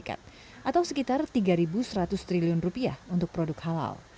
atau sekitar tiga seratus triliun rupiah untuk produk halal